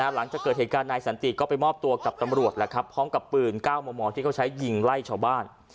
หลังจากเกิดเหตุการณ์นายสันติก็ไปมอบตัวกับตำรวจพร้อมกับปืน๙มมที่เขาใช้ยิงไล่ชาวบ้าน